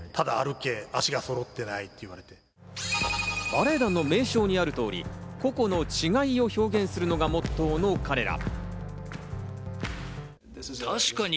バレエ団の名称にある通り、個々の違いを表現するのがモットーの彼ら。